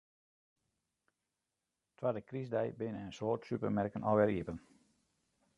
Twadde krystdei binne in soad supermerken alwer iepen.